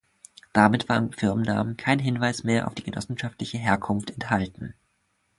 Damit war im Firmennamen kein Hinweis mehr auf die genossenschaftliche Herkunft enthalten.